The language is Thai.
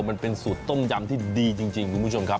มันเป็นสูตรต้มยำที่ดีจริงคุณผู้ชมครับ